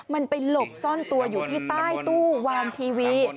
มันไปหลบซ่อนตัวอยู่ที่ใต้ตู้วานทีวี